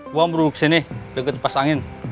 gue mau beruduk sini deket pas angin